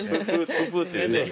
ププッていうね。